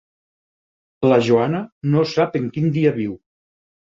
La Joana no sap en quin dia viu.